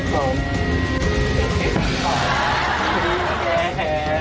ขออะไรครับ